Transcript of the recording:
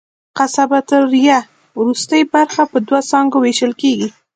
قصبة الریې وروستۍ برخه په دوو څانګو وېشل کېږي.